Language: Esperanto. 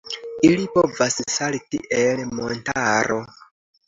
Ili povas salti el montaro.